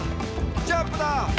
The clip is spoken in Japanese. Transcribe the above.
ジャンプだ！」